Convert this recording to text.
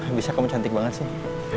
abis itu kamu cantik banget sih